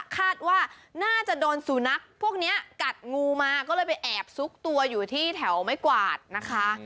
คาดว่าน่าจะโดนสุนัขพวกนี้กัดงูมาก็เลยไปแอบซุกตัวอยู่ที่แถวไม้กวาดนะคะ